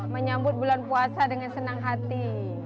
menyambut bulan puasa dengan senang hati